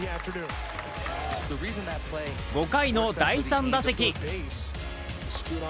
５回の第３打席。